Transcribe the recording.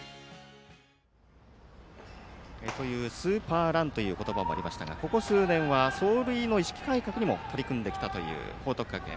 「ＳｕｐｅｒＲＵＮ」という言葉もありましたがここ数年は走塁の意識改革にも取り組んできたという報徳学園。